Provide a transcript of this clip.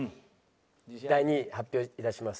第２位発表致します。